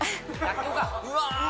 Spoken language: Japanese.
うわ！